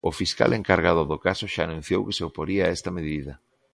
O fiscal encargado do caso xa anunciou que se oporía a esta medida.